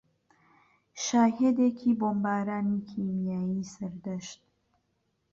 شاهێدێکی بۆمبارانی کیمیایی سەردەشت